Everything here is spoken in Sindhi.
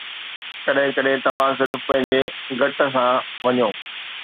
ڪڏهن ڪڏهن توهان صرف پنهنجي گٽ سان وڃو